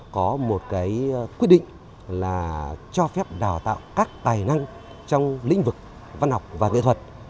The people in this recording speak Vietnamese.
có một cái quyết định là cho phép đào tạo các tài năng trong lĩnh vực văn học và nghệ thuật